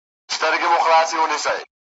ځلېدل به یې په لمر کي چاغ ورنونه `